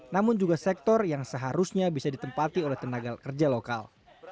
namun juga sektor yang seharusnya bisa ditempati oleh tenaga kerja lokal